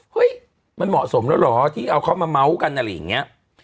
เฮ้ยมันเหมาะสมแล้วเหรอที่เอาเขามาเมาส์กันอะไรอย่างนี้